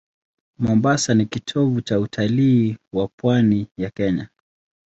Mombasa ni kitovu cha utalii wa pwani ya Kenya.